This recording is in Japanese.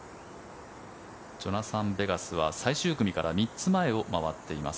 ジョナサン・ベガスは最終組から３つ前を回っています。